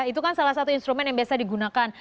itu kan salah satu instrumen yang biasa digunakan